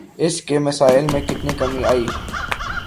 اس کے مسائل میں کتنی کمی آئی؟